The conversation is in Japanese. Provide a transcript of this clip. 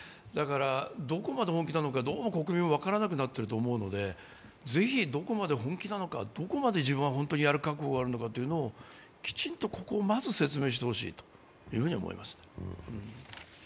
どこまで本気なのかどうも国民は分からなくなっていると思うので、ぜひ、どこまで本気なのか、どこまで自分は本当にやる覚悟があるのかというのをきちんと、ここをまず説明してほしいと思います。